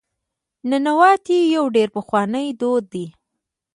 ننواتې یو ډېر پخوانی دود دی.